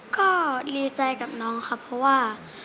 ก็ดีใจกับน้องครับเพราะว่า